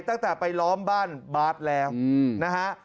ตั้งแต่ไปล้อมบ้านบาร์ดแล้วนะฮะ